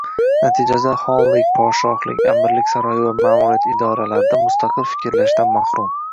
Natijada xonlik, podshohlik, amirlik saroyi va ma’muriyat idoralarida mustaqil fikrlashdan mahrum